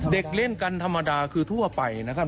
เล่นกันธรรมดาคือทั่วไปนะครับ